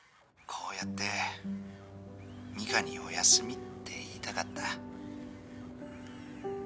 こうやってミカにおやすみって言いたかった。